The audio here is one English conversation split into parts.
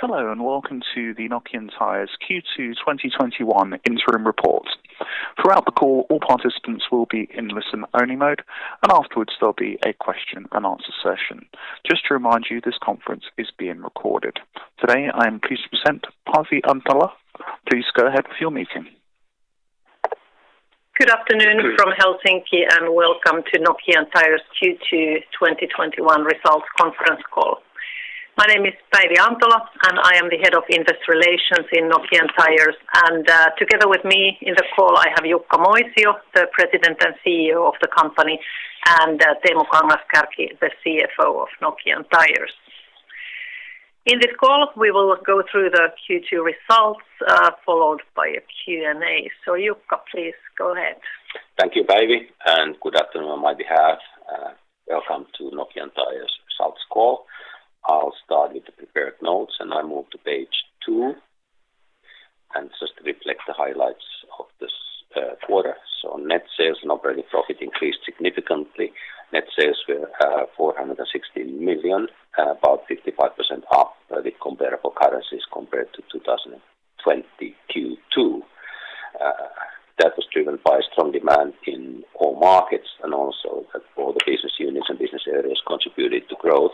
Hello, and welcome to the Nokian Tyres Q2 2021 interim report. Throughout the call, all participants will be in listen-only mode, and afterwards, there'll be a question-and-answer session. Just to remind you, this conference is being recorded. Today, I am pleased to present Päivi Antola. Please go ahead with your meeting. Good afternoon from Helsinki and welcome to Nokian Tyres Q2 2021 results conference call. My name is Päivi Antola, and I am the Head of Investor Relations in Nokian Tyres. Together with me in the call, I have Jukka Moisio, the President and CEO of the company, and Teemu Kangas-Kärki, the CFO of Nokian Tyres. In this call, we will go through the Q2 results, followed by a Q&A. Jukka, please go ahead. Thank you, Päivi. Good afternoon on my behalf. Welcome to Nokian Tyres results call. I'll start with the prepared notes. I move to page two, just to reflect the highlights of this quarter. Net sales and operating profit increased significantly. Net sales were 460 million, about 55% up with comparable currencies compared to 2020 Q2. That was driven by strong demand in all markets and also that all the business units and business areas contributed to growth,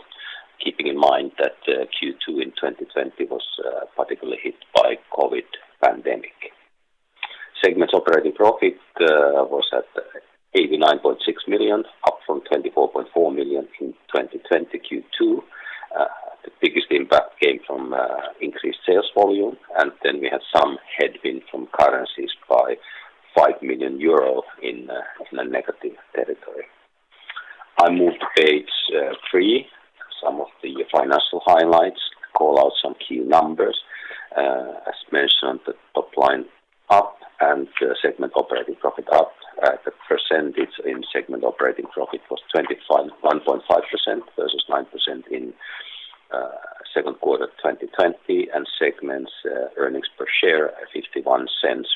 keeping in mind that Q2 in 2020 was particularly hit by COVID pandemic. Segment operating profit was at 89.6 million, up from 24.4 million in 2020 Q2. The biggest impact came from increased sales volume. Then we had some headwind from currencies by 5 million euro in a negative territory. I move to page three, some of the financial highlights, call out some key numbers. As mentioned, the top line up and segment operating profit up. The percentage in segment operating profit was 21.5% versus nine percent in second quarter 2020, and segments earnings per share at 0.51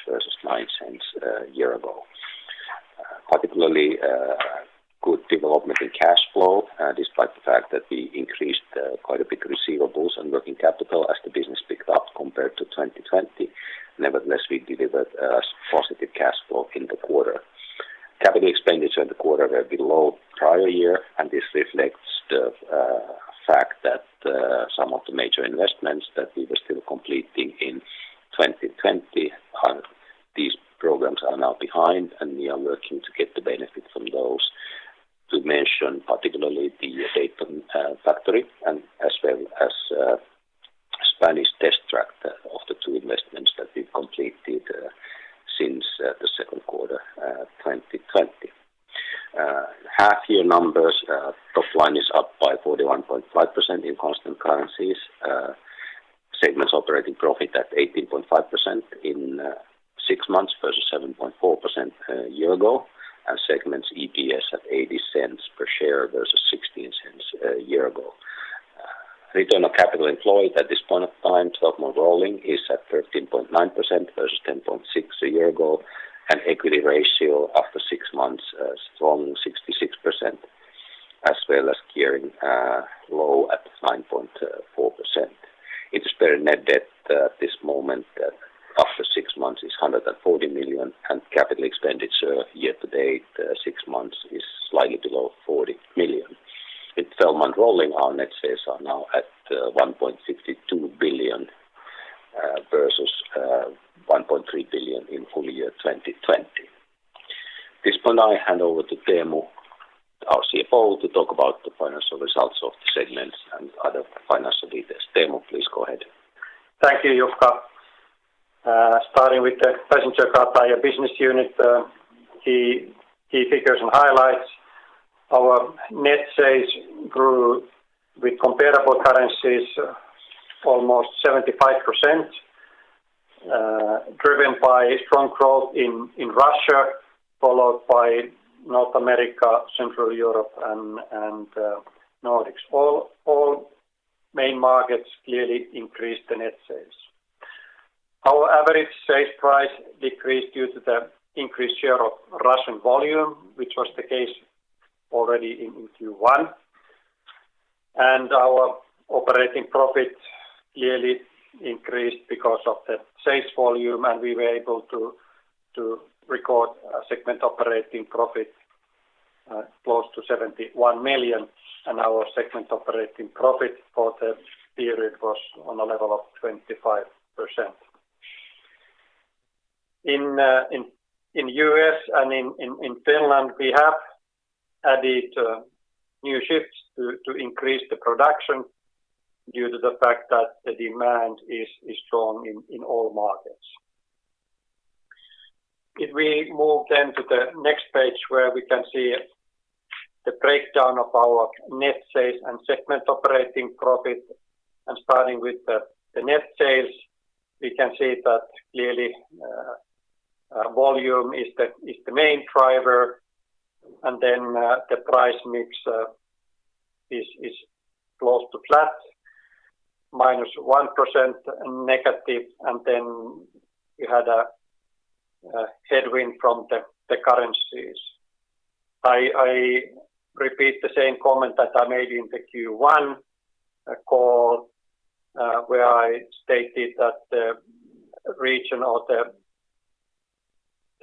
versus 0.09 a year ago. Particularly good development in cash flow, despite the fact that we increased quite a bit receivables and working capital as the business picked up compared to 2020. Nevertheless, we delivered a positive cash flow in the quarter. Capital expenditure in the quarter were below prior year. This reflects the fact that some of the major investments that we were still completing in 2020, these programs are now behind, and we are working to get the benefit from those to mention, particularly the Dayton factory and as well as Spanish test track of the two investments that we've completed since the second quarter 2020. Half-year numbers, top line is up by 41.5% in constant currencies. Segments operating profit at 18.5% in six months versus seven point four percent, a year ago, and segments EPS at 0.80 per share versus 0.16 a year ago. Return on capital employed at this point of time, 12-month rolling is at 13.9% versus 10.6% a year ago, and equity ratio after six months, a strong 66%, as well as gearing low at nine point four percent. Interest bearing net debt at this moment after six months is 140 million, and capital expenditure year to date, six months is slightly below 40 million. In 12-month rolling, our net sales are now at 1.62 billion, versus 1.3 billion in full year 2020. This point, I hand over to Teemu, our CFO, to talk about the financial results of the segments and other financial details. Teemu, please go ahead. Thank you, Jukka. Starting with the Passenger Car Tyres business unit, the key figures and highlights, our net sales grew with comparable currencies almost 75%, driven by strong growth in Russia, followed by North America, Central Europe, and Nordics. All main markets clearly increased the net sales. Our average sales price decreased due to the increased share of Russian volume, which was the case already in Q1. Our operating profit clearly increased because of the sales volume, and we were able to record a segment operating profit close to 71 million, and our segment operating profit for the period was on a level of 25%. In U.S. and in Finland, we have added new shifts to increase the production due to the fact that the demand is strong in all markets. If we move then to the next page where we can see the breakdown of our net sales and segment operating profit. Starting with the net sales, we can see that clearly volume is the main driver, the price mix is close to flat, minus one percent negative. We had a headwind from the currencies. I repeat the same comment that I made in the Q1 call, where I stated that the region or the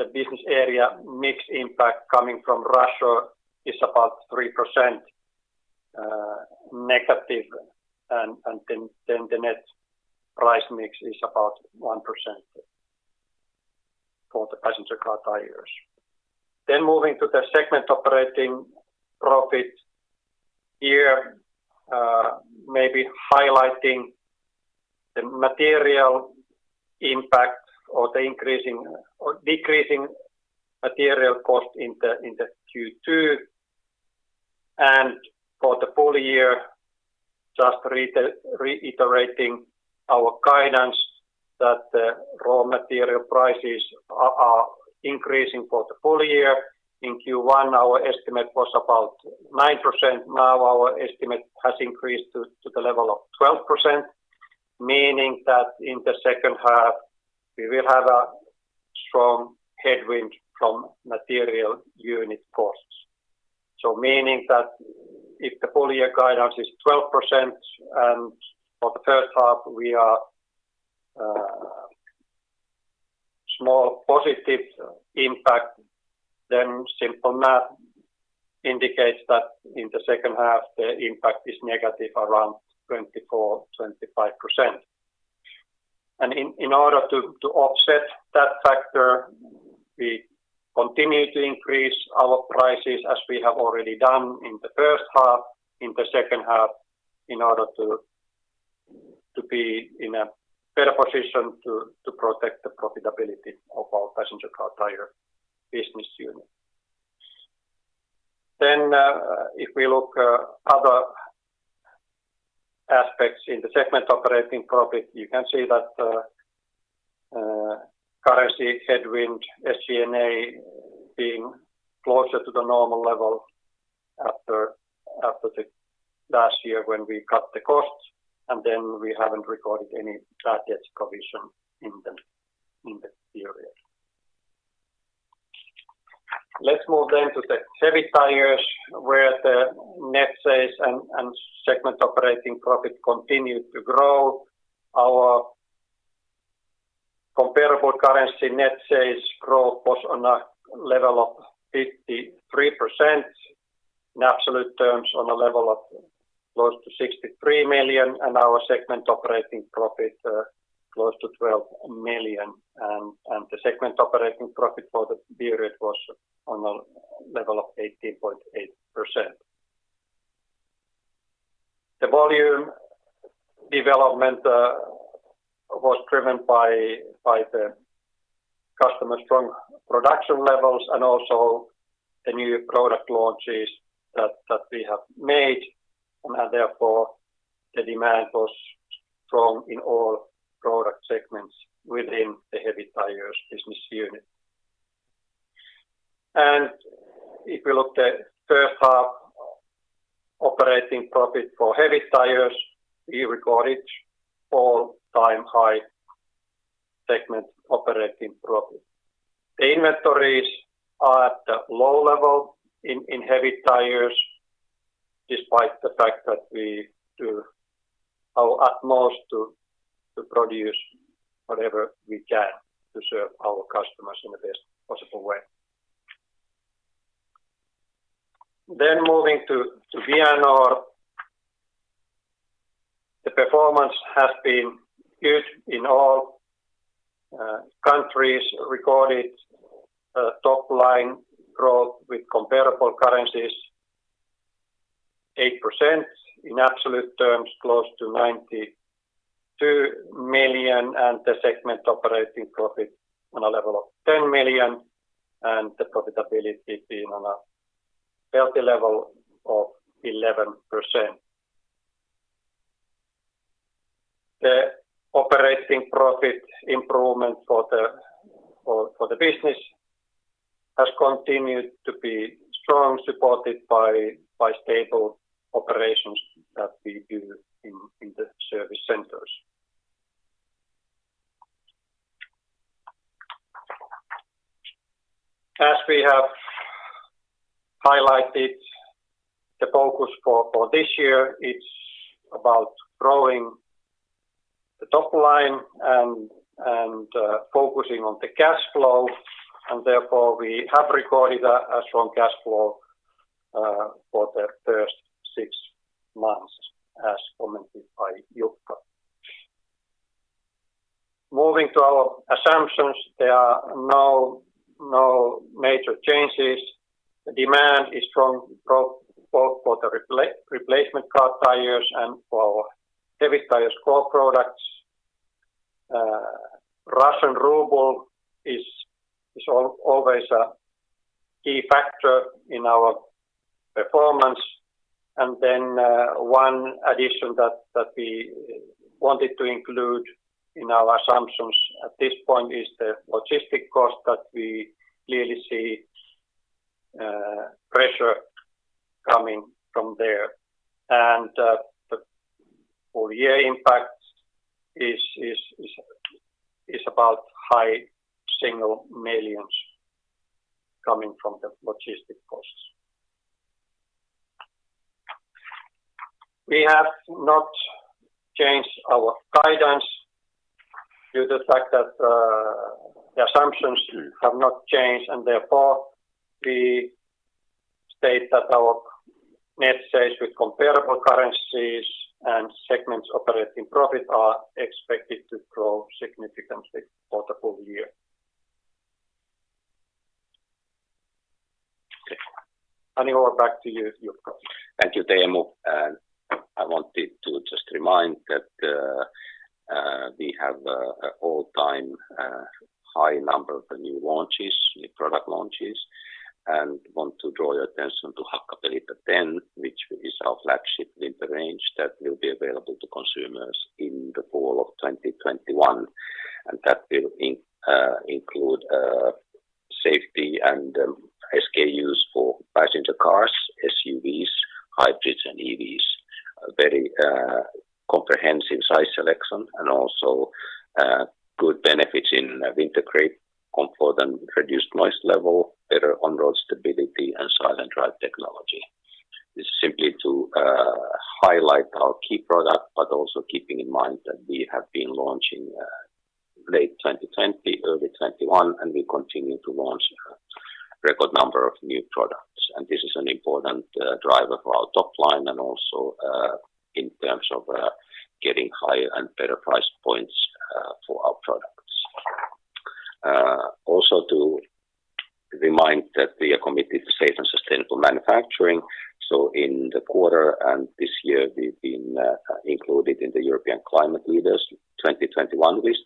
business area mix impact coming from Russia is about three percent negative, the net price mix is about one percent for the Passenger Car Tyres. Moving to the segment operating profit, here maybe highlighting the material impact or the increasing or decreasing material cost in the Q2. For the full year, just reiterating our guidance that the raw material prices are increasing for the full year. In Q1, our estimate was about nine percent. Now our estimate has increased to the level of 12%, meaning that in the second half we will have a strong headwind from material unit costs. Meaning that if the full year guidance is 12% and for the first half we are small positive impact, then simple math indicates that in the second half the impact is negative around 24%-25%. In order to offset that factor, we continue to increase our prices as we have already done in the first half, in the second half, in order to be in a better position to protect the profitability of our Passenger Car Tyres business unit. If we look other aspects in the segment operating profit, you can see that the currency headwind, SG&A being closer to the normal level after the last year when we cut the costs, and we haven't recorded any charter commission in the period. Let's move to the Heavy Tyres, where the net sales and segment operating profit continued to grow. Our comparable currency net sales growth was on a level of 53% in absolute terms on a level of close to 63 million, our segment operating profit close to 12 million, the segment operating profit for the period was on a level of 18.8%. The volume development was driven by the customer's strong production levels and also the new product launches that we have made, therefore the demand was strong in all product segments within the Heavy Tyres business unit. If we look at first half operating profit for Heavy Tyres, we recorded all-time high segment operating profit. The inventories are at a low level in Heavy Tyres, despite the fact that we do our utmost to produce whatever we can to serve our customers in the best possible way. Moving to Vianor, the performance has been good in all countries, recorded top-line growth with comparable currencies eight percent in absolute terms close to 92 million, and the segment operating profit on a level of 10 million, and the profitability being on a healthy level of 11%. The operating profit improvement for the business has continued to be strong, supported by stable operations that we do in the service centers. As we have highlighted, the focus for this year is about growing the top line and focusing on the cash flow, and therefore we have recorded a strong cash flow for the first six months as commented by Jukka Moisio. Moving to our assumptions, there are no major changes. The demand is strong both for the replacement Passenger Car Tyres and for Heavy Tyres core products. Russian ruble is always a key factor in our performance. One addition that we wanted to include in our assumptions at this point is the logistic cost that we clearly see pressure coming from there. Full year impact is about high single millions coming from the logistic costs. We have not changed our guidance due to the fact that the assumptions have not changed, and therefore we state that our net sales with comparable currencies and segments operating profit are expected to grow significantly for the full year. Okay. Over back to you, Jukka. Thank you, Teemu. I wanted to just remind that we have all-time high number of new product launches and want to draw your attention to Hakkapeliitta 10, which is our flagship winter range that will be available to consumers in the fall of 2021, and that will include safety and SKUs for passenger cars, SUVs, hybrids, and EVs, a very comprehensive size selection, and also good benefits in winter grip, comfort, and reduced noise level, better on-road stability and silent ride technology. This is simply to highlight our key product, but also keeping in mind that we have been launching late 2020, early 2021, and we continue to launch a record number of new products. This is an important driver for our top line and also in terms of getting higher and better price points for our products. To remind that we are committed to safe and sustainable manufacturing. In the quarter and this year, we've been included in the European Climate Leaders 2021 list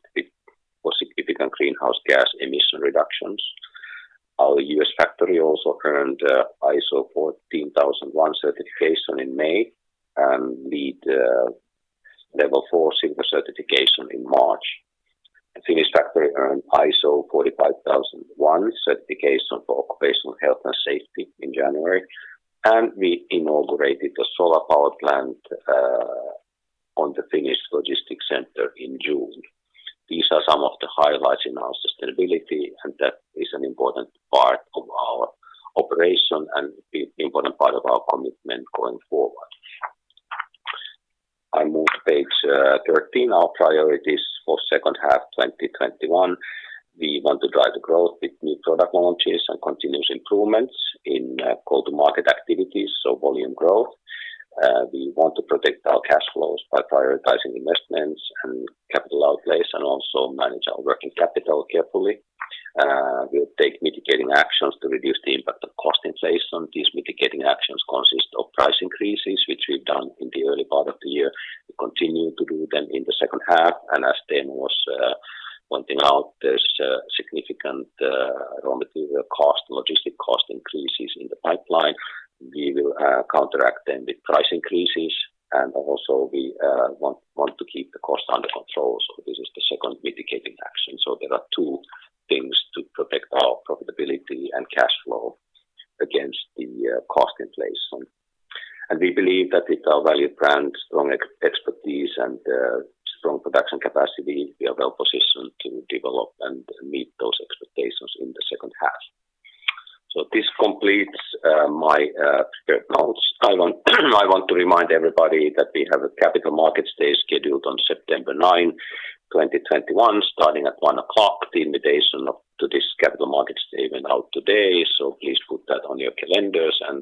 for significant greenhouse gas emission reductions. Our U.S. factory also earned ISO 14001 certification in May and LEED v4 Silver certification in March. The Finnish factory earned ISO 45001 certification for occupational health and safety in January, and we inaugurated a solar power plant on the Finnish logistics center in June. These are some of the highlights in our sustainability, and that is an important part of our operation and important part of our commitment going forward. I move to page 13, our priorities for second half 2021. We want to drive the growth with new product launches and continuous improvements in go-to-market activities, so volume growth. We want to protect our cash flows by prioritizing investments and capital outlays and also manage our working capital carefully. We'll take mitigating actions to reduce the impact of cost inflation. These mitigating actions consist of price increases, which we've done in the early part of the year. We continue to do them in the second half. As Teemu was pointing out, there's significant raw material cost, logistic cost increases in the pipeline. We will counteract them with price increases, and also we want to keep the cost under control. This is the second mitigating action. There are two things to protect our profitability and cash flow against the cost inflation. We believe that with our valued brand, strong expertise, and strong production capacity, we are well-positioned to develop and meet those expectations in the second half. This completes my prepared notes. I want to remind everybody that we have a Capital Markets Day scheduled on September nine, 2021, starting at 1:00 P.M. The invitation to this Capital Markets Day went out today, so please put that on your calendars and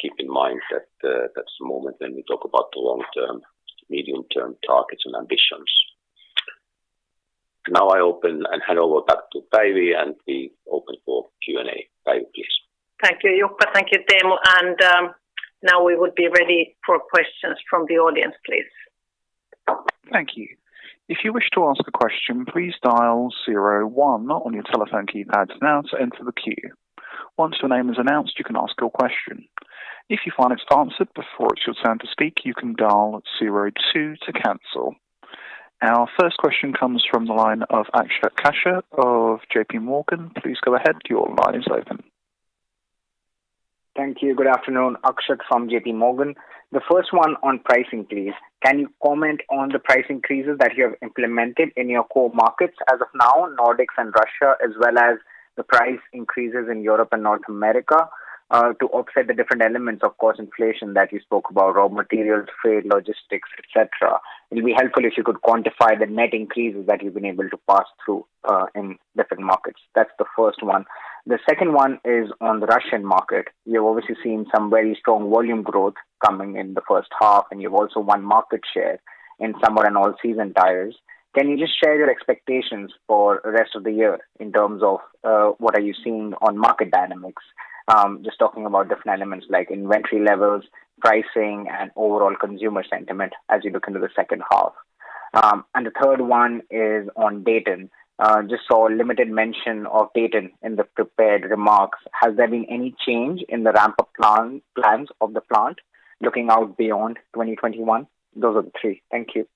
keep in mind that that's the moment when we talk about the long-term, medium-term targets and ambitions. Now I open and hand over back to Päivi, and we open for Q&A. Päivi, please. Thank you, Jukka. Thank you, Teemu. Now we would be ready for questions from the audience, please. Thank you. Our first question comes from the line of Akshat Kacker of JP Morgan. Please go ahead. Your line is open. Thank you. Good afternoon. Akshat from JP Morgan. The first one on price increase. Can you comment on the price increases that you have implemented in your core markets as of now, Nordics and Russia, as well as the price increases in Europe and North America, to offset the different elements of cost inflation that you spoke about, raw materials, freight, logistics, et cetera? It'll be helpful if you could quantify the net increases that you've been able to pass through in different markets. That's the first one. The second one is on the Russian market. You've obviously seen some very strong volume growth coming in the first half, and you've also won market share in summer and all-season tires. Can you just share your expectations for the rest of the year in terms of what are you seeing on market dynamics? Just talking about different elements like inventory levels, pricing, and overall consumer sentiment as you look into the second half. The third one is on Dayton. Just saw a limited mention of Dayton in the prepared remarks. Has there been any change in the ramp-up plans of the plant looking out beyond 2021? Those are the 3. Thank you.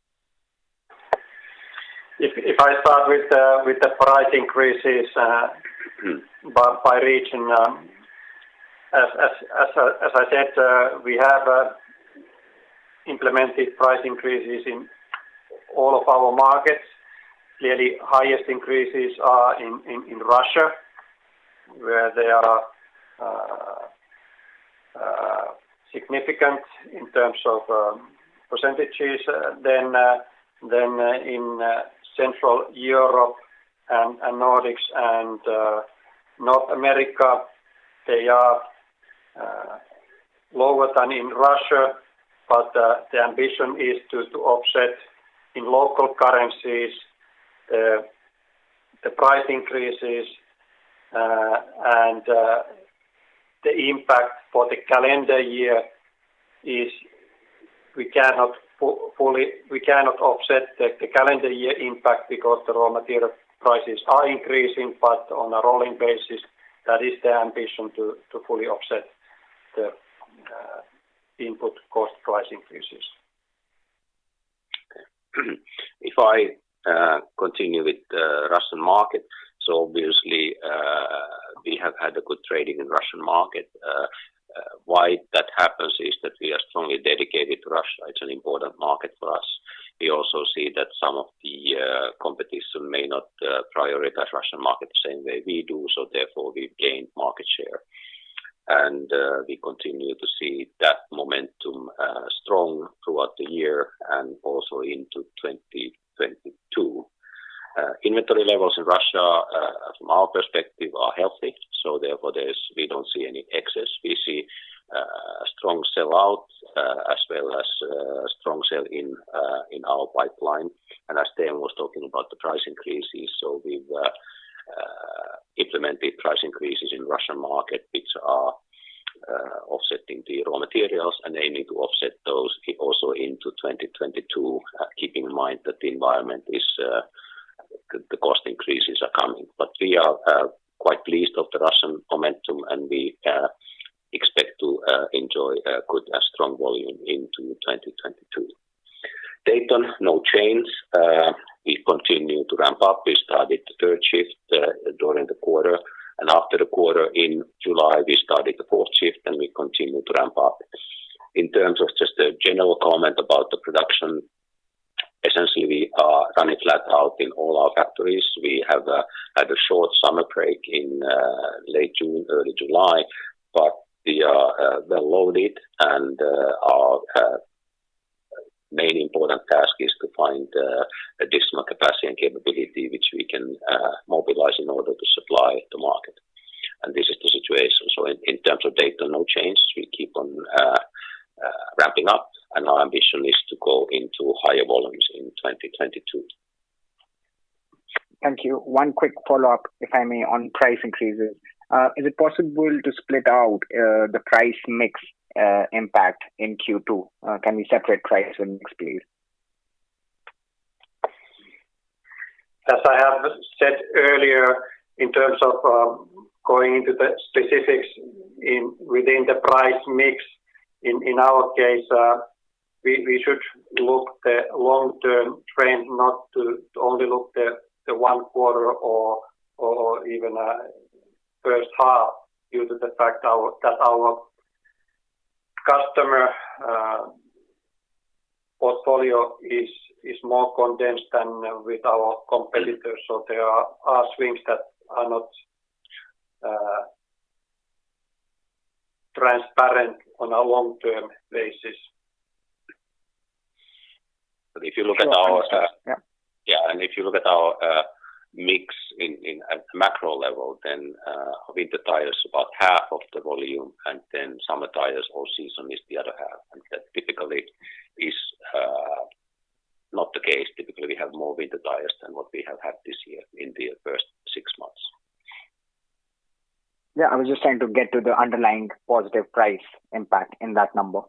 If I start with the price increases by region, as I said, we have implemented price increases in all of our markets. Clearly, highest increases are in Russia, where they are significant in terms of percentage than in Central Europe and Nordics and North America. They are lower than in Russia, but the ambition is to offset in local currencies the price increases and the impact for the calendar year is we cannot offset the calendar year impact because the raw material prices are increasing, but on a rolling basis, that is the ambition to fully offset the input cost price increases. If I continue with Russian market. Obviously, we have had a good trade-in in Russian market. Why that happens is that we are strongly dedicated to Russia. It's an important market for us. We also see that some of the competition may not prioritize Russian market the same way we do, so therefore we've gained market share. We continue to see that momentum strong throughout the year and also into 2022. Inventory levels in Russia, from our perspective, are healthy, so therefore we don't see any excess. We see a strong sell-out as well as strong sell in our pipeline. As Teemu was talking about the price increases, so we've implemented price increases in Russian market, which are offsetting the raw materials and aiming to offset those also into 2022, keeping in mind that the cost increases are coming. We are quite pleased of the Russian momentum, and we expect to enjoy a good, strong volume into 2022. Dayton, no change. We continue to ramp up. We started the third shift during the quarter, and after the quarter in July, we started the fourth shift, and we continue to ramp up. In terms of just a general comment about the production, essentially, we are running flat out in all our factories. We have had a short summer break in late June, early July, but we are well loaded, and our main important task is to find additional capacity and capability which we can mobilize in order to supply the market. This is the situation. In terms of Dayton, no change. We keep on ramping up, and our ambition is to go into higher volumes in 2022. Thank you. One quick follow-up, if I may, on price increases. Is it possible to split out the price mix impact in Q2? Can we separate price and mix, please? As I have said earlier, in terms of going into the specifics within the price mix, in our case, we should look the long-term trend, not to only look the one quarter or even first half due to the fact that our customer portfolio is more condensed than with our competitors. There are swings that are not transparent on a long-term basis. And if you look at our Sure. Yeah, if you look at our mix in a macro level. Winter tires about half of the volume. Summer tires all-season is the other half. That typically is not the case. Typically, we have more winter tires than what we have had this year in the first six months. Yeah, I was just trying to get to the underlying positive price impact in that number.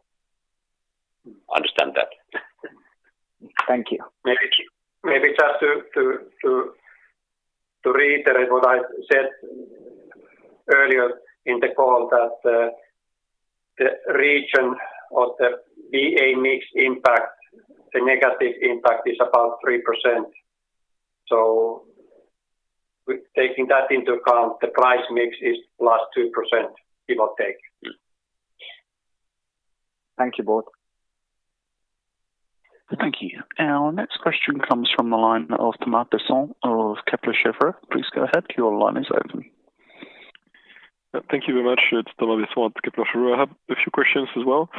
Understand that. Thank you. Maybe just to reiterate what I said earlier in the call that the region of the VA mix impact, the negative impact is about three percent. Taking that into account, the price mix is plus two percent, give or take. Thank you both. Thank you. Our next question comes from the line of Thomas Besson of Kepler Cheuvreux. Please go ahead. Your line is open. Thank you very much. It's Thomas Besson, Kepler Cheuvreux. I have a few questions as well.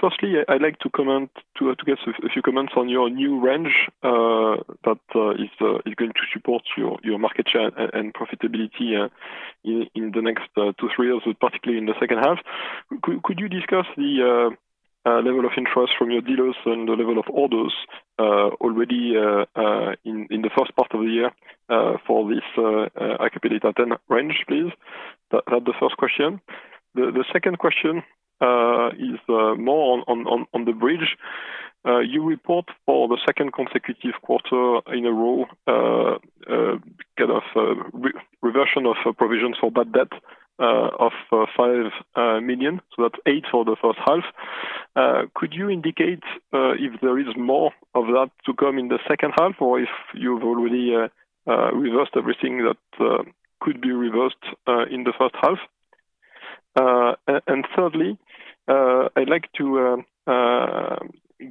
Firstly, I'd like to get a few comments on your new range that is going to support your market share and profitability in the next two, three years, particularly in the second half. Could you discuss the level of interest from your dealers and the level of orders already in the first part of the year for this Hakkapeliitta 10 range, please? That the first question. The second question is more on the bridge. You report for the second consecutive quarter in a row, kind of reversion of provisions for bad debt of 5 million. That's 8 for the first half. Could you indicate if there is more of that to come in the second half, or if you've already reversed everything that could be reversed in the first half? Thirdly, I'd like to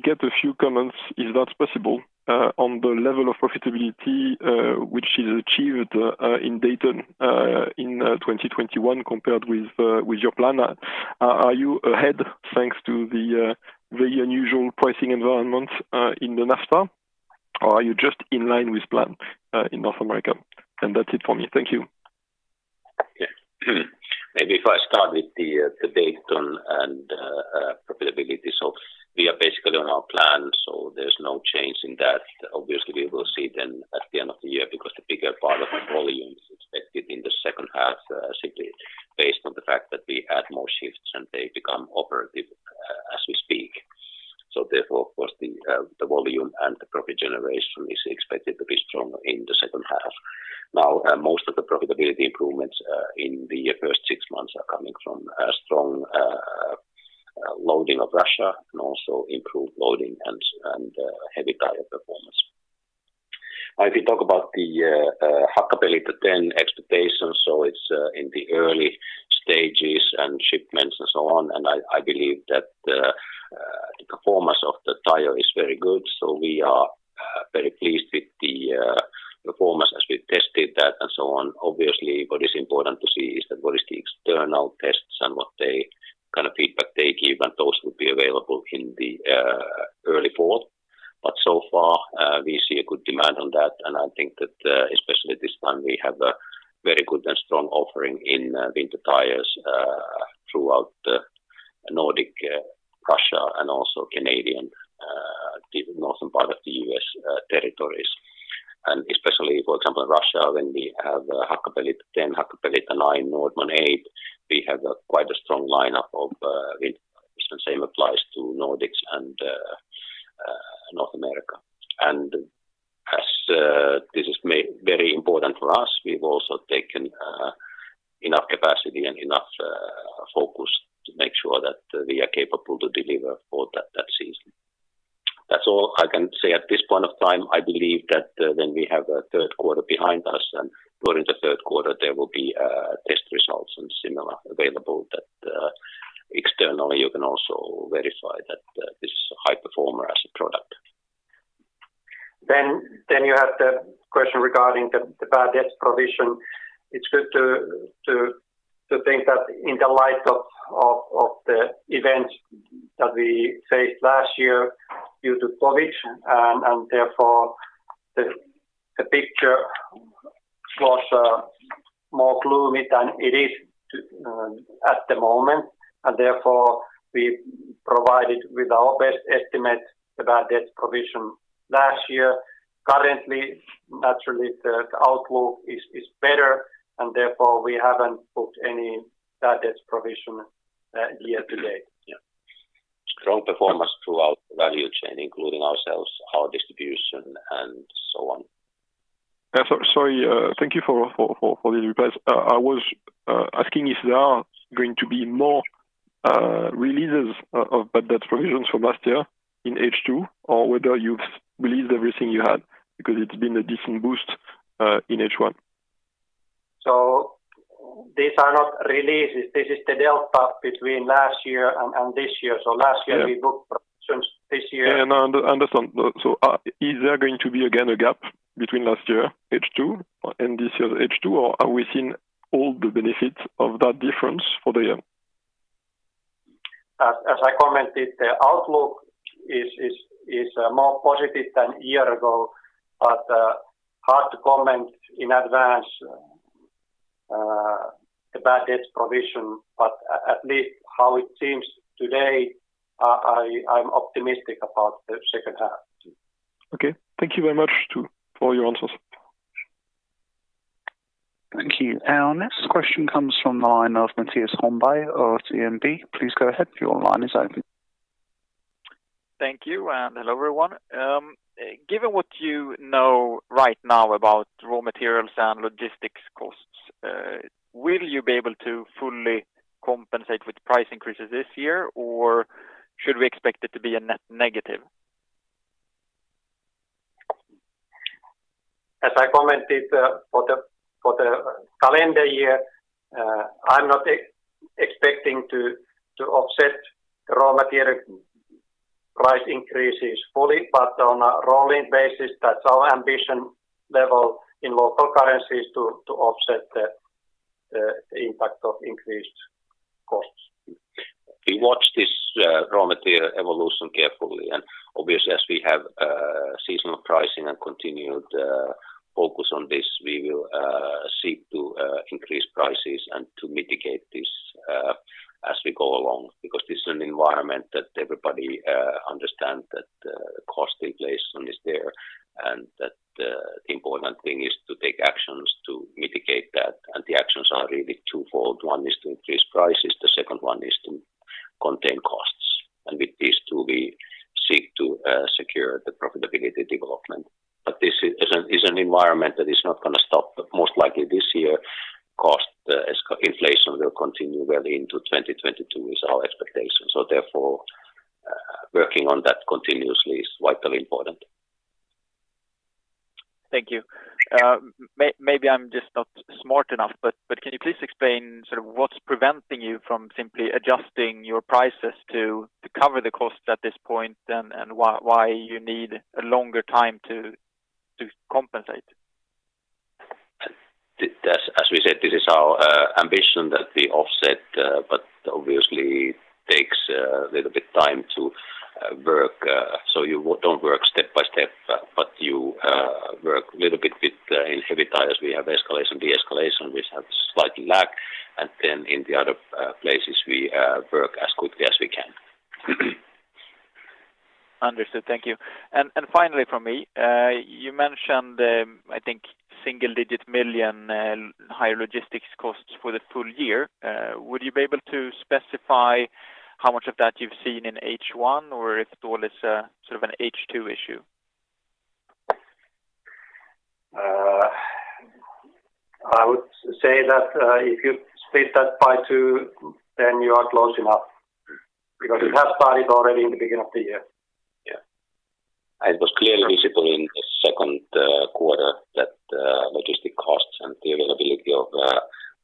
get a few comments, if that's possible, on the level of profitability which is achieved in Dayton in 2021 compared with your plan. Are you ahead thanks to the unusual pricing environment in the NAFTA, or are you just in line with plan in North America? That's it for me. Thank you. Yeah. Maybe if I start with the CapEx and profitability. We are basically on our plan, so there's no change in that. Obviously, we will see then at the end of the year, because the bigger part of the volume is expected in the second half simply based on the fact that we add more shifts and they become operative as we speak. Therefore, of course, the volume and the profit generation is expected to be stronger in the second half. Now, most of the profitability improvements in the first six months are coming from a strong loading of Russia and also improved loading and Heavy Tyres performance. If you talk about the Hakkapeliitta 10 expectations, so it's in the early stages and shipments and so on, and I believe that the performance of the tire is very good. We are very pleased with the performance as we've tested that and so on. Obviously, what is important to see is that what is the external tests and what feedback they give, and those would be available in the early fall. So far, we see a good demand on that, and I think that especially this time, we have a very good and strong offering in winter tires throughout the Nordic, Russia, and also Canadian, the northern part of the U.S. territories. Especially, for example, in Russia, when we have Hakkapeliitta 10, Hakkapeliitta 9, Nordman 8, we have quite a strong lineup of winter tires, and the same applies to Nordics and North America. As this is very important for us, we've also taken enough capacity and enough focus to make sure that we are capable to deliver for that season. That's all I can say at this point of time. I believe that when we have a third quarter behind us and during the third quarter, there will be test results and similar available that externally you can also verify that this is a high performer as a product. You have the question regarding the bad debts provision. It's good to think that in the light of the events that we faced last year due to COVID, and therefore the picture was more gloomy than it is at the moment, and therefore we provided with our best estimate the bad debts provision last year. Currently, naturally, the outlook is better, and therefore we haven't put any bad debts provision year to date. Yeah. Strong performance throughout the value chain, including ourselves, our distribution, and so on. Yeah. Sorry. Thank you for the replies. I was asking if there are going to be more releases of bad debts provisions from last year in H2, or whether you've released everything you had because it's been a decent boost in H1. These are not releases. This is the delta between last year and this year. Last year we booked provisions, this year Yeah, I understand. Is there going to be again a gap between last year H2 and this year's H2, or are we seeing all the benefits of that difference for the year? As I commented, the outlook is more positive than a year ago, hard to comment in advance the bad debts provision. At least how it seems today, I'm optimistic about the second half. Okay. Thank you very much for your answers. Thank you. Our next question comes from the line of Mattias Holmberg of DNB. Please go ahead, your line is open. Thank you, and hello, everyone. Given what you know right now about raw materials and logistics costs, will you be able to fully compensate with price increases this year, or should we expect it to be a net negative? As I commented, for the calendar year, I'm not expecting to offset the raw material price increases fully. On a rolling basis, that's our ambition level in local currencies to offset the impact of increased costs. We watch this raw material evolution carefully. Obviously, as we have seasonal pricing and continued focus on this, we will seek to increase prices and to mitigate this as we go along because this is an environment that everybody understands that cost inflation is there and that the important thing is to take actions to mitigate that. The actions are really twofold. One is to increase prices, the second one is to contain costs. With these two, we seek to secure the profitability development. This is an environment that is not going to stop, but most likely this year, cost inflation will continue well into 2022, is our expectation. Therefore, working on that continuously is vitally important. Thank you. Maybe I'm just not smart enough, but can you please explain what's preventing you from simply adjusting your prices to cover the costs at this point, and why you need a longer time to compensate? As we said, this is our ambition that we offset, but obviously it takes a little bit time to work. You don't work step by step, but you work a little bit with, in Heavy Tyres, we have escalation, de-escalation, which have slight lag. In the other places, we work as quickly as we can. Understood. Thank you. Finally from me, you mentioned, I think, single-digit million higher logistics costs for the full year. Would you be able to specify how much of that you've seen in H1, or if at all, it's an H2 issue? I would say that if you split that by two, then you are close enough, because it has started already in the beginning of the year. Yeah. It was clearly visible in the second quarter that logistic costs and the availability of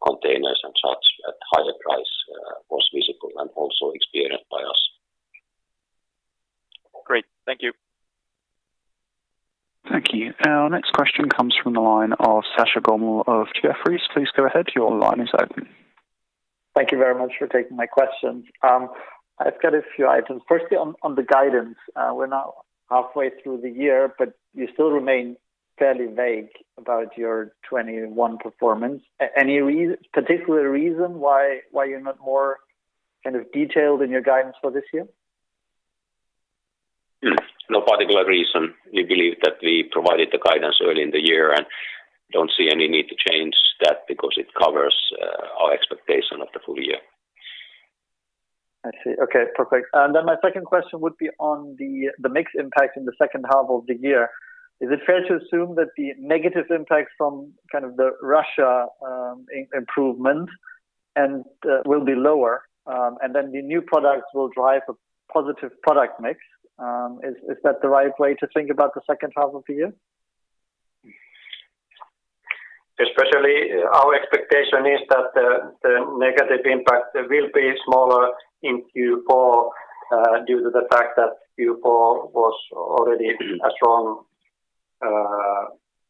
containers and such at higher price was visible and also experienced by us. Great. Thank you. Thank you. Our next question comes from the line of Sascha Gommel of Jefferies. Please go ahead. Your line is open. Thank you very much for taking my questions. I've got a few items. On the guidance, we're now halfway through the year, but you still remain fairly vague about your 2021 performance. Any particular reason why you're not more detailed in your guidance for this year? No particular reason. We believe that we provided the guidance early in the year, and don't see any need to change that because it covers our expectation of the full year. I see. Okay, perfect. My second question would be on the mix impact in the second half of the year. Is it fair to assume that the negative impact from the Russia impairment will be lower, and then the new products will drive a positive product mix? Is that the right way to think about the second half of the year? Especially our expectation is that the negative impact will be smaller in Q4 due to the fact that Q4 was already a strong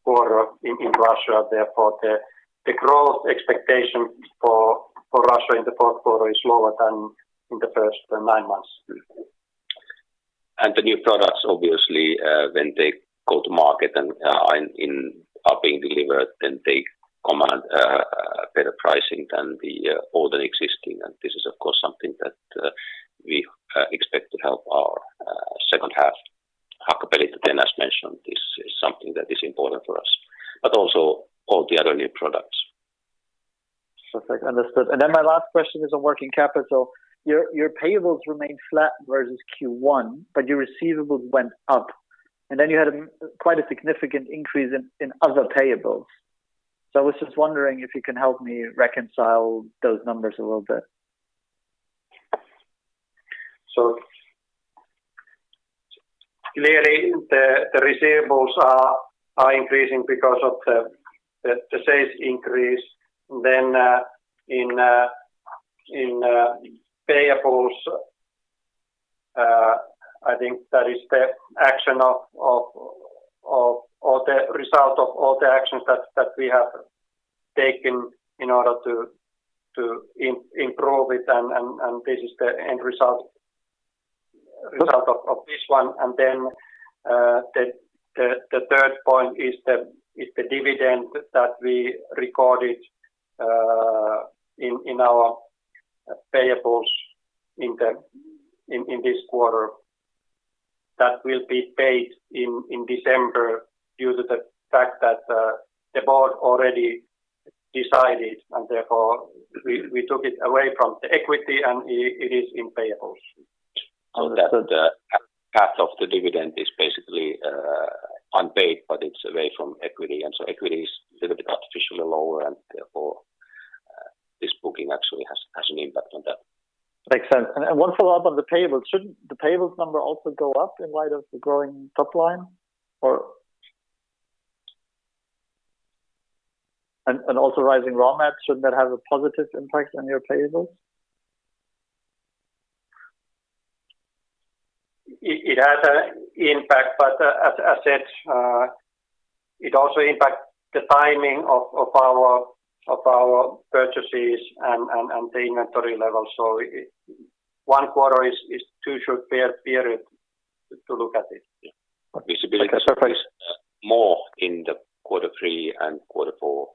quarter in Russia. Therefore, the growth expectation for Russia in the fourth quarter is lower than in the first nine months. The new products, obviously, when they go to market and are being delivered, then they command better pricing than the older existing. This is, of course, something that we expect to help our second half. Hakkapeliitta, as mentioned, is something that is important for us, but also all the other new products. Perfect. Understood. My last question is on working capital. Your payables remain flat versus Q1, but your receivables went up. You had quite a significant increase in other payables. I was just wondering if you can help me reconcile those numbers a little bit. Clearly the receivables are increasing because of the sales increase. In payables, I think that is the action of or the result of all the actions that we have taken in order to improve it, and this is the end result of this one. The third point is the dividend that we recorded in our payables in this quarter that will be paid in December due to the fact that the board already decided, and therefore we took it away from the equity, and it is in payables. That path of the dividend is basically unpaid, but it's away from equity. Equity is a little bit artificially lower, and therefore this booking actually has an impact on that. Makes sense. One follow-up on the payables. Shouldn't the payables number also go up in light of the growing top line? Also rising raw materials, shouldn't that have a positive impact on your payables? It has an impact, but as I said, it also impacts the timing of our purchases and the inventory level. One quarter is too short period to look at it. Visibility. Okay. Perfect. more in the quarter three and quarter four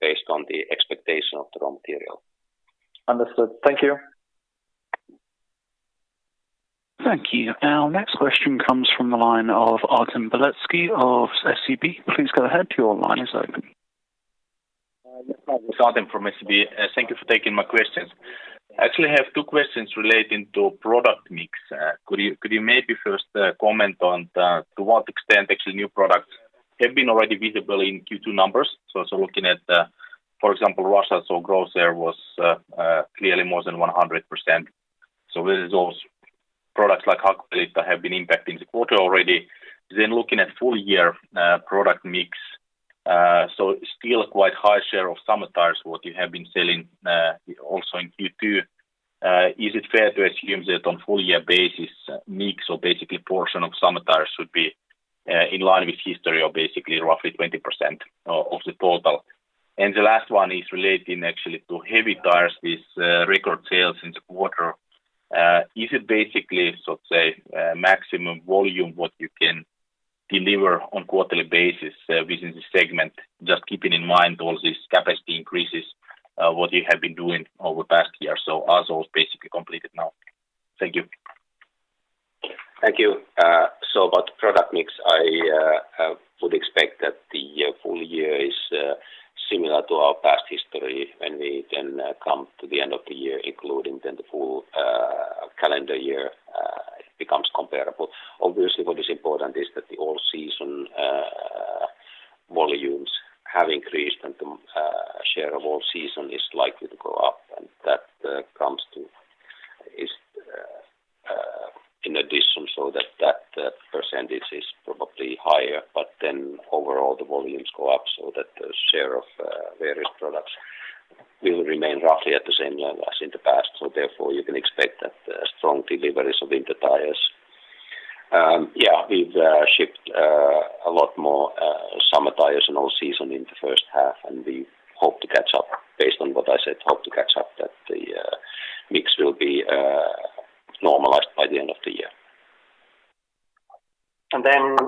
based on the expectation of the raw material. Understood. Thank you. Thank you. Our next question comes from the line of Artem Beletski of SEB. Please go ahead. Your line is open. from SEB. Thank you for taking my questions. I actually have two questions relating to product mix. Could you maybe first comment on to what extent actually new products have been already visible in Q2 numbers, looking at, for example, Russia, growth there was clearly more than 100%, and whether those products like Hakkapeliitta have been impacting the quarter already? Looking at full year product mix, still a quite high share of summer tires, what you have been selling also in Q2. Is it fair to assume that on full year basis, mix or portion of summer tires would be in line with history of roughly 20% of the total? The last one is relating actually to Heavy Tyres, these record sales in the quarter. Is it basically, so say, maximum volume what you can deliver on quarterly basis within the segment, just keeping in mind all these capacity increases, what you have been doing over the past year, so are those basically completed now? Thank you. Thank you. About product mix, I would expect that the full year is similar to our past history when we come to the end of the year, including the full calendar year, it becomes comparable. Obviously, what is important is that the all-season volumes have increased and the share of all season is likely to go up and that comes to is in addition so that percentage is probably higher, but overall the volumes go up so that the share of various products will remain roughly at the same level as in the past. Therefore, you can expect that strong deliveries of winter tires. Yeah, we've shipped a lot more summer tires and all season in the first half, and we hope to catch up based on what I said, that the mix will be normalized by the end of the year.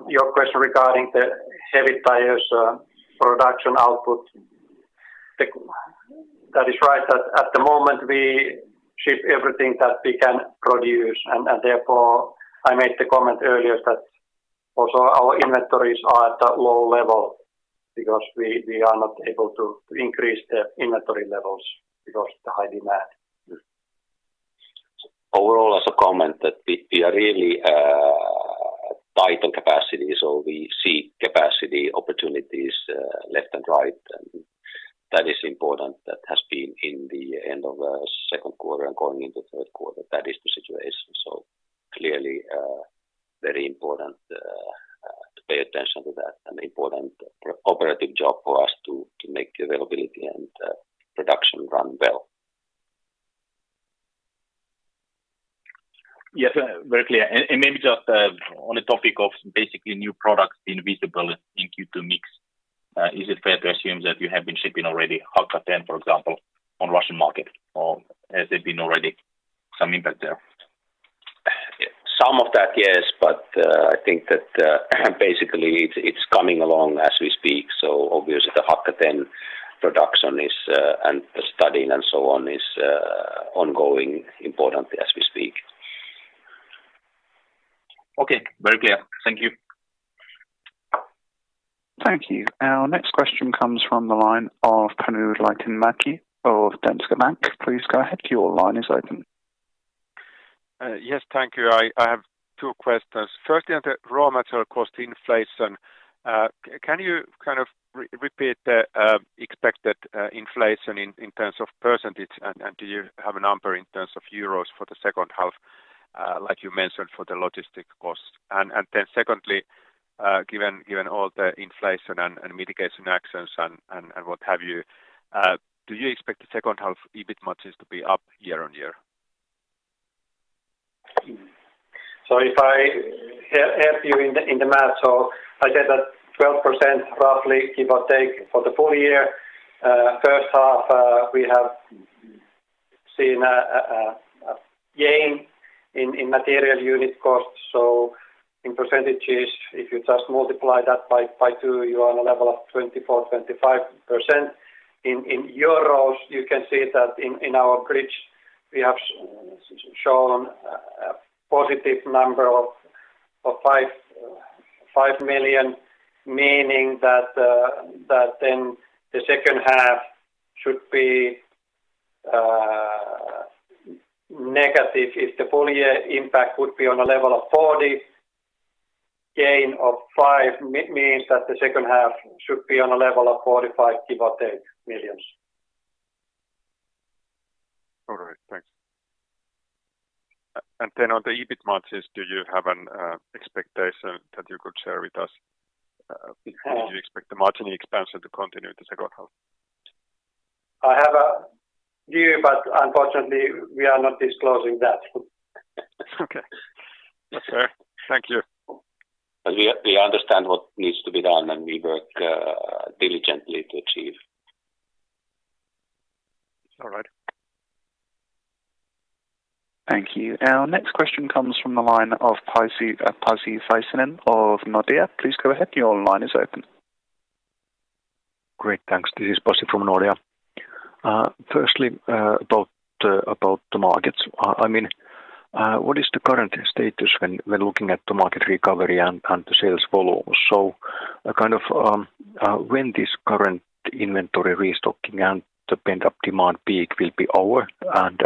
Your question regarding the Heavy Tyres production output. That is right that at the moment we ship everything that we can produce, and therefore I made the comment earlier that also our inventories are at a low level because we are not able to increase the inventory levels because of the high demand. Overall as a comment that we are really tight on capacity, so we see capacity opportunities left and right, and that is important, that has been in the end of second quarter and going into third quarter. That is the situation. Clearly very important to pay attention to that, an important operative job for us to make the availability and production run well. Yes, very clear. Maybe just on the topic of basically new products being visible in Q2 mix, is it fair to assume that you have been shipping already Hakkapeliitta 10, for example, on Russian market or has there been already some impact there? Some of that, yes, but I think that basically it's coming along as we speak. Obviously, the Hakkapeliitta 10 production and the studding and so on is ongoing importantly as we speak. Okay. Very clear. Thank you. Thank you. Our next question comes from the line of Panu Laitinen-Mäki of Danske Bank. Please go ahead. Your line is open. Yes. Thank you. I have two questions. Firstly, on the raw material cost inflation, can you kind of repeat the expected inflation in terms of percentage, and do you have a number in terms of euros for the second half, like you mentioned for the logistic costs? Secondly, given all the inflation and mitigation actions and what have you, do you expect the second half EBIT margins to be up year-on-year? If I help you in the math, I said that 12% roughly give or take for the full year. First half we have seen a gain in material unit cost, in percentages, if you just multiply that by two, you are on a level of 24%, 25%. In EUR, you can see that in our bridge we have shown a positive number of 5 million, meaning that then the second half should be negative if the full year impact would be on a level of 40 million, gain of 5 million means that the second half should be on a level of 45 million give or take. All right. Thanks. On the EBIT margins, do you have an expectation that you could share with us? Do you expect the margin expansion to continue in the second half? I have a view, but unfortunately we are not disclosing that. Okay. Fair. Thank you. We understand what needs to be done, and we work diligently to achieve. All right. Thank you. Our next question comes from the line of Pasi Väisänen of Nordea. Please go ahead. Your line is open. Great. Thanks. This is Pasi from Nordea. Firstly about the markets, I mean, what is the current status when looking at the market recovery and the sales volumes? When this current inventory restocking and the pent-up demand peak will be over, and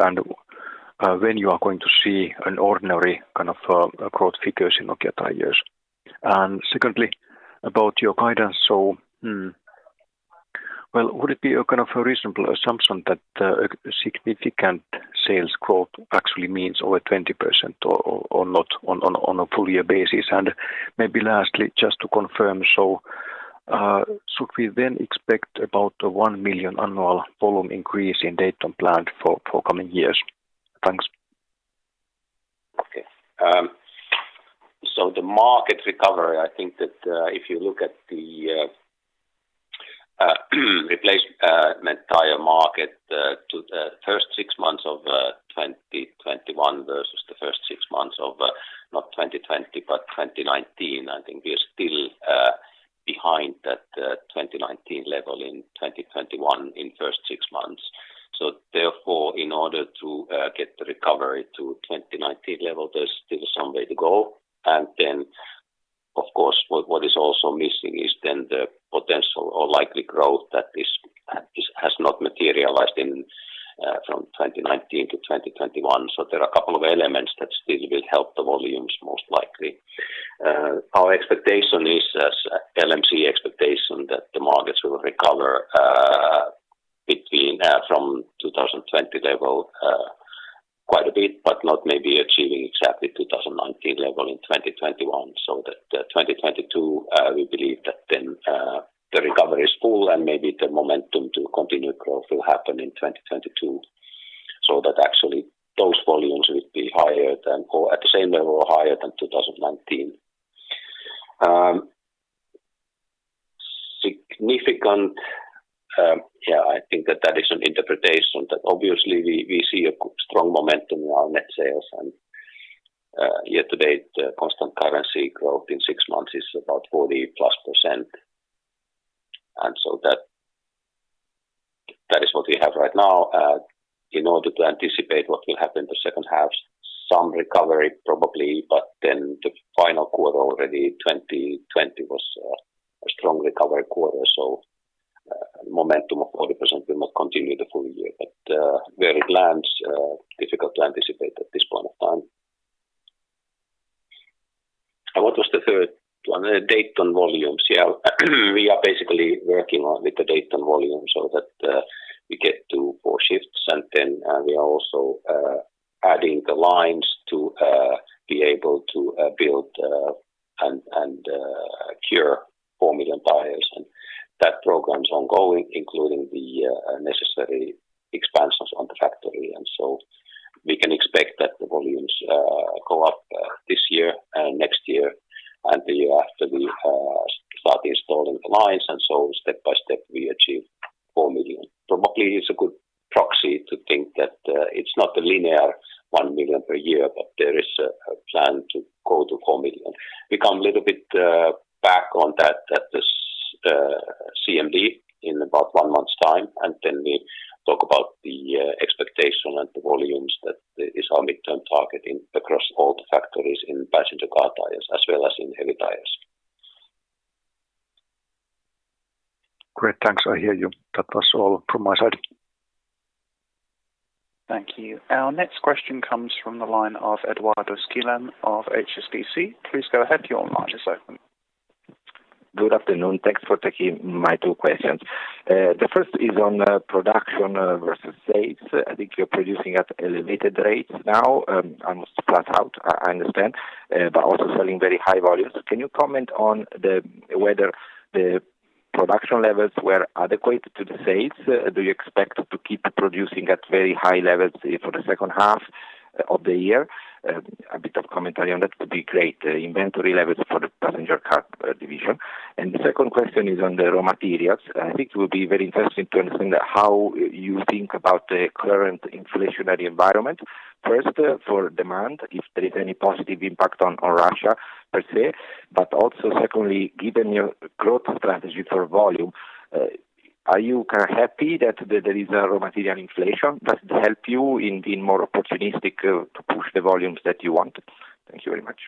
when you are going to see an ordinary growth figures in Nokian Tyres? Secondly, about your guidance. Well, would it be a reasonable assumption that a significant sales growth actually means over 20% or not on a full year basis? Maybe lastly, just to confirm, should we then expect about 1 million annual volume increase in Dayton planned for coming years? Thanks. Okay. The market recovery, I think that if you look at the replacement tire market to the first six months of 2021 versus the first six months of, not 2020, but 2019, I think we are still behind that 2019 level in 2021 in first six months. Therefore, in order to get the recovery to 2019 level, there's still some way to go. Then, of course, what is also missing is then the potential or likely growth that has not materialized from 2019 to 2021. There are a couple of elements that still will help the volumes, most likely. Our expectation is LMC expectation that the markets will recover between from 2020 level quite a bit, but not maybe achieving exactly 2019 level in 2021. 2022, we believe that the recovery is full and maybe the momentum to continue growth will happen in 2022, so that actually those volumes will be higher than or at the same level higher than 2019. Significant, I think that that is an interpretation that obviously we see a strong momentum in our net sales and year to date constant currency growth in six months is about 40+%. That is what we have right now. In order to anticipate what will happen the second half, some recovery probably, the final quarter already, 2020 was a strong recovery quarter. Momentum of 40% will not continue the full year. Where it lands, difficult to anticipate at this point of time. What was the third one? Dayton volumes. We are basically working on with the Dayton volume so that we get to four shifts. We are also adding the lines to be able to build and cure four million tires. That program's ongoing, including the necessary expansions on the factory. We can expect that the volumes go up this year and next year and the year after we start installing the lines. Step by step we achieve four million. Probably it's a good proxy to think that it's not a linear one million per year, but there is a plan to go to four million. We come a little bit back on that at this CMD in about one month's time. We talk about the expectation and the volumes that is our midterm target across all the factories in Passenger Car Tyres as well as in Heavy Tyres. Great, thanks. I hear you. That was all from my side. Thank you. Our next question comes from the line of Edoardo Spignoli of HSBC. Please go ahead, your line is open. Good afternoon. Thanks for taking my two questions. The first is on production versus sales. I think you're producing at elevated rates now, almost flat out, I understand, but also selling very high volumes. Can you comment on whether the production levels were adequate to the sales? Do you expect to keep producing at very high levels for the second half of the year? A bit of commentary on that would be great. Inventory levels for the Passenger Car Tyres. The second question is on the raw materials. I think it would be very interesting to understand how you think about the current inflationary environment. For demand, if there is any positive impact on Russia per se, but also secondly, given your growth strategy for volume, are you happy that there is a raw material inflation that help you in being more opportunistic to push the volumes that you want? Thank you very much.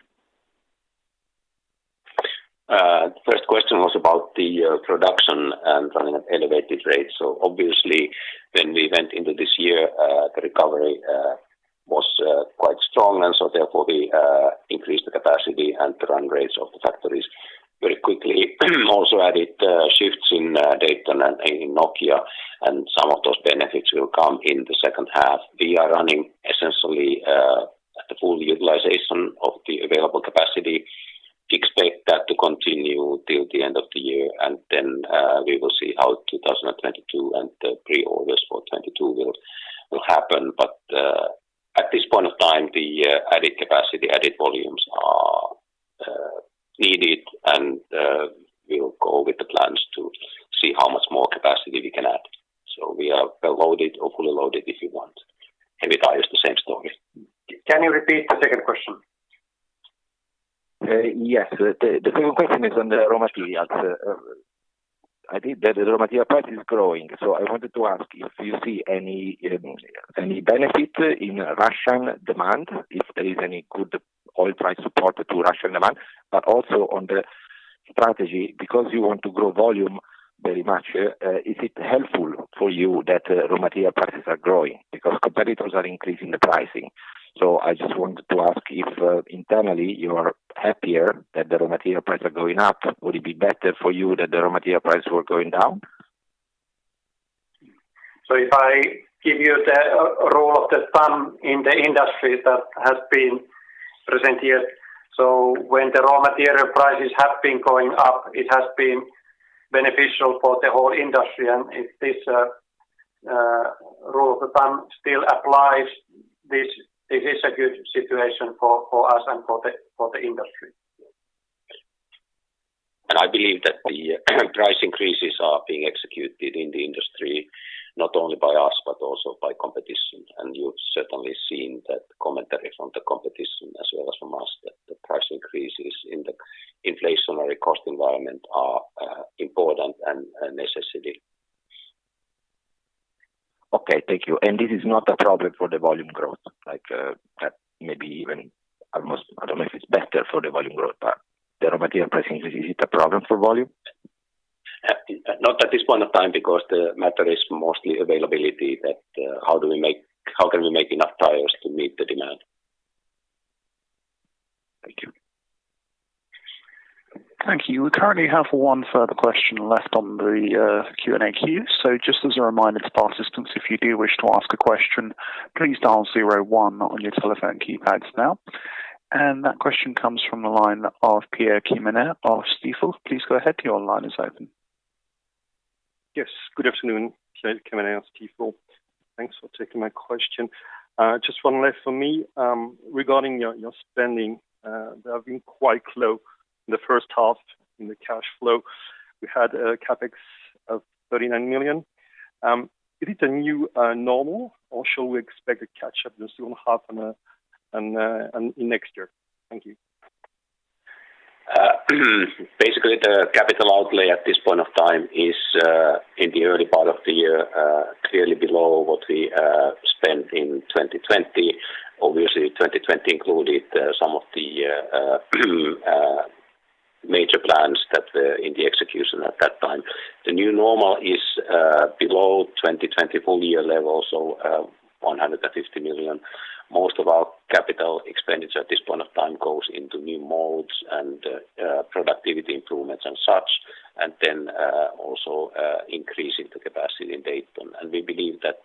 First question was about the production and running at elevated rates. Obviously when we went into this year, the recovery was quite strong, therefore we increased the capacity and the run rates of the factories very quickly. Also added shifts in Dayton and in Nokia, some of those benefits will come in the second half. We are running essentially at the full utilization of the available capacity. We expect that to continue till the end of the year, we will see how 2022 and the pre-orders for 2022 will happen. At this point of time, the added capacity, added volumes are needed and we'll go with the plans to see how much more capacity we can add. We are well loaded or fully loaded if you want. Heavy Tyres, the same story. Can you repeat the second question? Yes. The second question is on the raw materials. I think that the raw material price is growing. I wanted to ask if you see any benefit in Russian demand, if there is any good oil price support to Russian demand, but also on the strategy, because you want to grow volume very much, is it helpful for you that raw material prices are growing? Because competitors are increasing the pricing. I just wanted to ask if internally you are happier that the raw material prices are going up. Would it be better for you that the raw material prices were going down? If I give you the rule of the thumb in the industry that has been presented, when the raw material prices have been going up, it has been beneficial for the whole industry. If this rule of thumb still applies, this is a good situation for us and for the industry. I believe that the price increases are being executed in the industry, not only by us, but also by competition. You've certainly seen that commentary from the competition as well as from us, that the price increases in the inflationary cost environment are important and necessary. Okay, thank you. This is not a problem for the volume growth, maybe even almost, I don't know if it's better for the volume growth, but the raw material pricing, is it a problem for volume? Not at this point of time because the matter is mostly availability, that how can we make enough tires to meet the demand. Thank you. Thank you. We currently have one further question left on the Q&A queue. Just as a reminder to participants, if you do wish to ask a question, please dial zero one on your telephone keypads now. That question comes from the line of Pierre Quemener of Stifel. Please go ahead, your line is open. Yes, good afternoon. Pierre Quemener, Stifel. Thanks for taking my question. Just one left from me regarding your spending, that have been quite low in the first half in the cash flow. We had a CapEx of 39 million. Is it a new normal, or shall we expect a catch-up this second half and in next year? Thank you. The capital outlay at this point of time is, in the early part of the year, clearly below what we spent in 2020. Obviously, 2020 included some of the major plans that were in the execution at that time. The new normal is below 2020 full year levels, 150 million. Most of our capital expenditure at this point of time goes into new molds and productivity improvements and such, then also increasing the capacity in Dayton. We believe that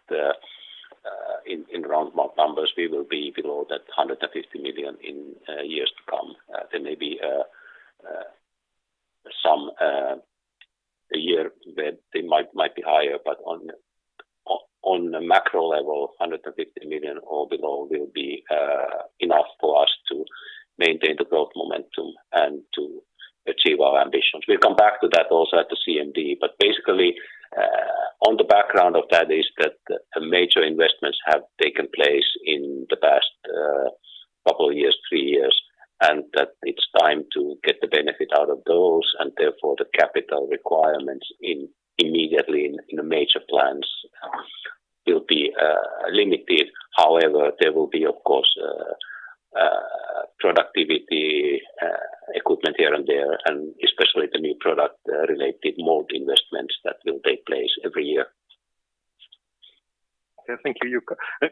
in round numbers, we will be below that 150 million in years to come. There may be some year where they might be higher, on a macro level, 150 million or below will be enough for us to maintain the growth momentum and to achieve our ambitions. We'll come back to that also at the CMD, but basically, on the background of that is that major investments have taken place in the past two years, three years, and that it's time to get the benefit out of those, and therefore, the capital requirements immediately in the major plans will be limited. However, there will be, of course, productivity equipment here and there, and especially the new product-related mold investments that will take place every year. Okay. Thank you, Jukka.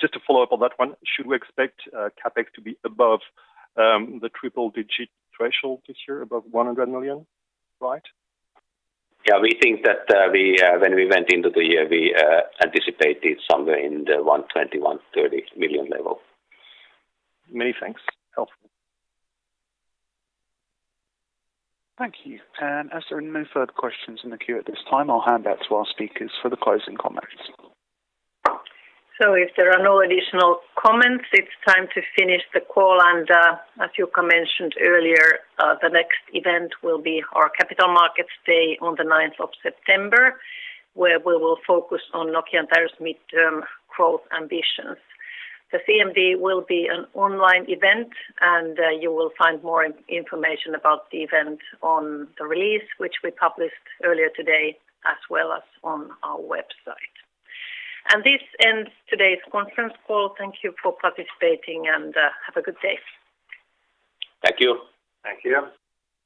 Just to follow up on that one, should we expect CapEx to be above the triple digit threshold this year, above 100 million? Right? Yeah, we think that when we went into the year, we anticipated somewhere in the 120 million-130 million level. Many thanks. Helpful. Thank you. As there are no further questions in the queue at this time, I'll hand back to our speakers for the closing comments. If there are no additional comments, it's time to finish the call. As Jukka Moisio mentioned earlier, the next event will be our Capital Markets Day on the ninth of September, where we will focus on Nokian Tyres' midterm growth ambitions. The CMD will be an online event. You will find more information about the event on the release, which we published earlier today, as well as on our website. This ends today's conference call. Thank you for participating. Have a good day. Thank you. Thank you.